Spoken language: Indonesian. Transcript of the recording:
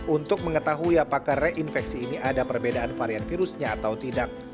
untuk mengetahui apakah reinfeksi ini ada perbedaan varian virusnya atau tidak